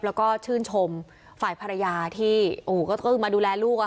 แล้วก็ชื่นชมฝ่ายภรรยาที่มาดูแลลูกค่ะ